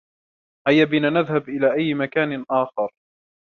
هيا بنا نذهب إلى أي مكان آخر.